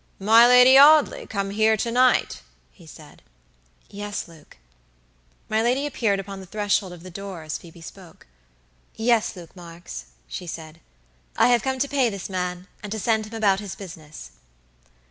"My Lady Audley come here to night!" he said. "Yes, Luke." My lady appeared upon the threshold of the door as Phoebe spoke. "Yes, Luke Marks," she said, "I have come to pay this man, and to send him about his business."